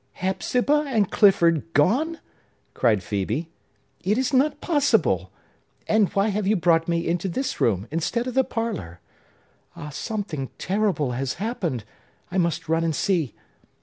"Hepzibah and Clifford gone?" cried Phœbe. "It is not possible! And why have you brought me into this room, instead of the parlor? Ah, something terrible has happened! I must run and see!"